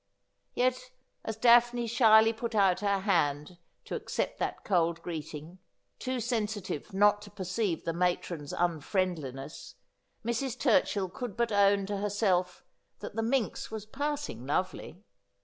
Yet as Daphne shyly put out her hand to accept that cold greeting, too sensitive not to perceive the matron's unfriendliness, Mrs. Turchill could but own to her self that the minx was passing lovely.